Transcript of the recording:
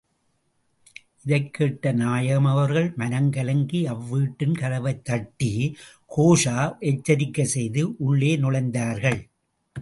இதைக் கேட்ட நாயகம் அவர்கள் மனங்கலங்கி அவ்வீட்டின் கதவைத் தட்டி, கோஷா எச்சரிக்கை செய்து, உள்ளே நுழைந்தார்கள்.